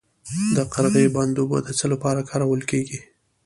د قرغې بند اوبه د څه لپاره کارول کیږي؟